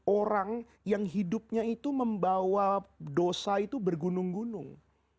orang yang hidupnya itu membawa dosa itu bergunung gunung